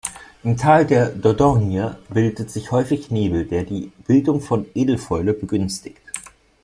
Im Tal der Dordogne bildet sich häufig Nebel, der die Bildung von Edelfäule begünstigt.